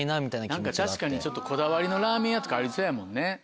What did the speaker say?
確かにこだわりのラーメン屋とかありそうやもんね。